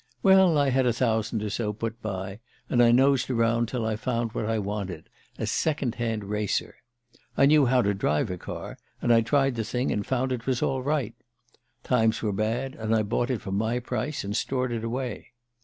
Well, I had a thousand or so put by, and I nosed around till I found what I wanted a second hand racer. I knew how to drive a car, and I tried the thing and found it was all right. Times were bad, and I bought it for my price, and stored it away.